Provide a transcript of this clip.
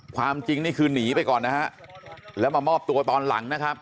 ความจริงนี่คือหนีไปก่อนนะฮะแล้วมามอบตัวตอนหลังนะครับ